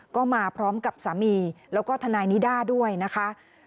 ก็มาพร้อมกับสามีแล้วก็ทนายนิด้าด้วยนะคะ